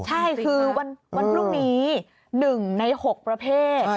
ใช่คือวันพรุ่งนี้๑ใน๖ประเภท